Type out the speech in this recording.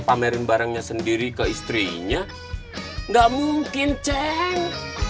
pamerin barangnya sendiri ke istrinya nggak mungkin ceng